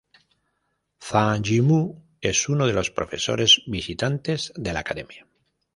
Zhang Yimou es uno de los profesores visitantes de la academia.